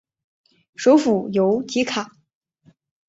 首府由提卡。